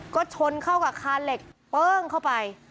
ก็ชนเข้ากับคานเหล็กเปิ้งเข้าไป